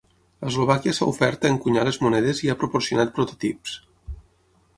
Eslovàquia s'ha ofert a encunyar les monedes i ha proporcionat prototips.